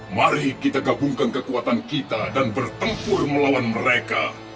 mari kita gabungkan kekuatan kita dan bertempur melawan mereka